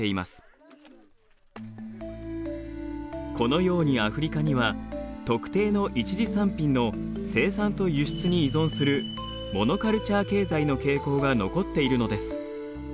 このようにアフリカには特定の一次産品の生産と輸出に依存するモノカルチャー経済の傾向が残っているのです。